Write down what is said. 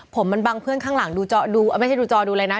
ผมบางเพื่อนข้างหลังดูจอดูไม่ใช่ดูจอดูอะไรนะ